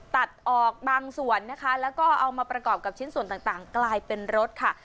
ตัดออกบางส่วนนะคะแล้วก็เอามาประกอบกับชิ้นส่วนต่างกลายเป็นรถค่ะ